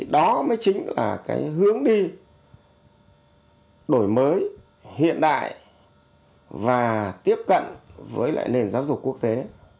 đó mới chính là cái hướng đi đổi mới hiện đại và tiếp cận với lại nền giáo dục quốc tế